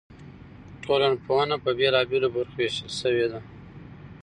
ټولنپوهنه په بېلابېلو برخو ویشل شوې ده.